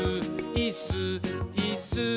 「いっすー！いっすー！